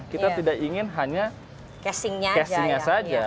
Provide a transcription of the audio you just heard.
kita tidak ingin hanya casingnya saja